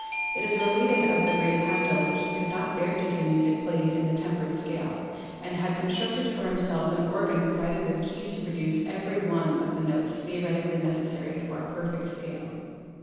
It is related of the great Handel that he could not bear to hear music played in the tempered scale, and had constructed for himself an organ provided with keys to produce every one of the 132 PHYSICS notes theoretically necessary for a perfect scale.